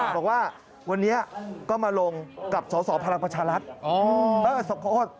บอกว่าวันนี้ก็มาลงกับสอสอพลังประชารัฐ